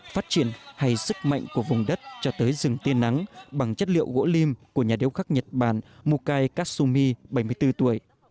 phát triển hay sức mạnh của vùng đất cho tới rừng tiên nắng bằng chất liệu gỗ lim của nhà điêu khắc nhật bản mukai kasumi bảy mươi bốn tuổi